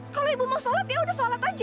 kalau ibu mau sholat ya udah sholat aja